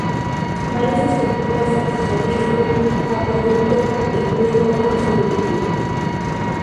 Varias estructuras accesorias, un acueducto incluido, han sobrevivido.